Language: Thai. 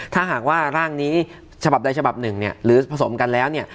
ถ้าหากว่าร่างมีฉบับใดฉบับหรือผสมกันแล้วเนี่ย